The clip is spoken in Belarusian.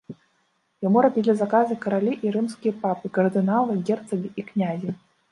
Яму рабілі заказы каралі і рымскія папы, кардыналы, герцагі і князі.